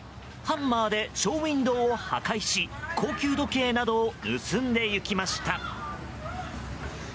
ハンマーでショーウィンドーを破壊し高級時計などを盗んでいきました。